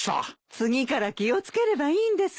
次から気を付ければいいんですよ。